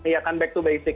ya kan back to basic